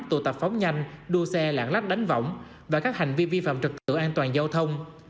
tụ tập phóng nhanh đua xe lãng lách đánh vỏng và các hành vi vi phạm trật tựa an toàn giao thông